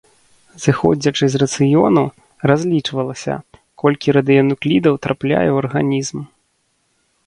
Зыходзячы з рацыёну, разлічвалася, колькі радыенуклідаў трапляе ў арганізм.